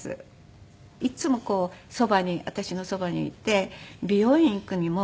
いつもそばに私のそばにいて美容院行くにも。